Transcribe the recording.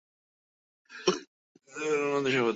নিশ্চয় তুমি দয়ালুদের সর্বোত্তম।